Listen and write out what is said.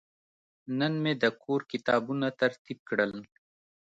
نن مې د کور کتابونه ترتیب کړل.